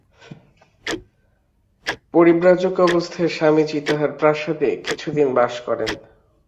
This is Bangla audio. পরিব্রাজক অবস্থায় স্বামীজী তাঁহার প্রাসাদে কিছুদিন বাস করেন।